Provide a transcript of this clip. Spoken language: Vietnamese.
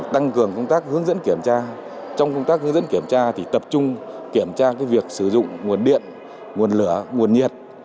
tăng cường công tác hướng dẫn kiểm tra trong công tác hướng dẫn kiểm tra thì tập trung kiểm tra việc sử dụng nguồn điện nguồn lửa nguồn nhiệt